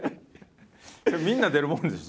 みんな出るもんでしょ？